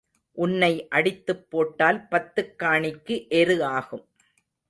உன்னை அடித்துப் போட்டால் பத்துக் காணிக்கு எரு ஆகும்.